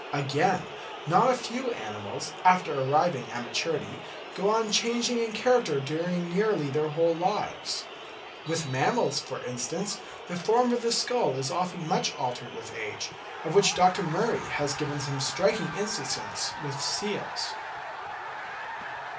Again, not a few animals, after arriving at maturity, go on changing in character during nearly their whole lives. With mammals, for instance, the form of the skull is often much altered with age, of which Dr. Murie has given some striking instances with seals.